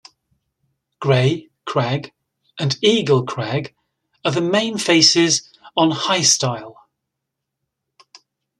Grey Crag and Eagle Crag are the main faces on High Stile.